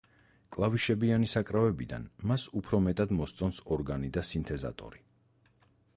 კლავიშებიანი საკრავებიდან მას უფრო მეტად მოსწონს ორგანი და სინთეზატორი.